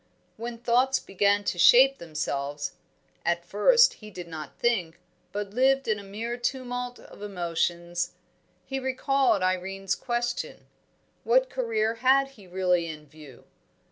When thoughts began to shape themselves (at first he did not think, but lived in a mere tumult of emotions) he recalled Irene's question: what career had he really in view?